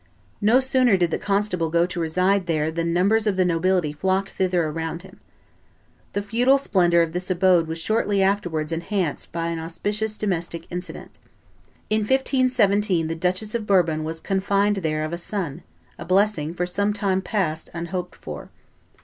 No sooner did the constable go to reside there than numbers of the nobility flocked thither around him. The feudal splendor of this abode was shortly afterwards enhanced by an auspicious domestic incident. In 1517 the Duchess of Bourbon was confined there of a son, a blessing for some time past unhoped for.